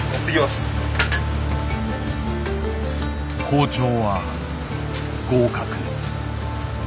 包丁は合格。